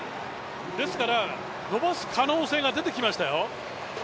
ですから、伸ばす可能性が出てきましたよ。